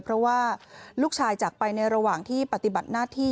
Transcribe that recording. เพราะว่าลูกชายจากไปในระหว่างที่ปฏิบัติหน้าที่